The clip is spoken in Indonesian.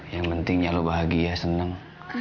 yang pentingnya lu bahagi ya seneng